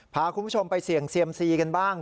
พาคุณผู้ชมไปเสี่ยงเซียมซีกันบ้าง